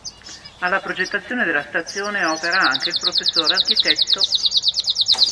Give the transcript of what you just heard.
Alla progettazione della stazione opera anche il Prof. Arch.